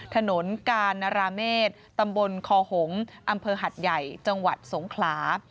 ถนนกานราเมษตำบลคอหงษ์อำเภอหัดใหญ่จังหวัดสงขลา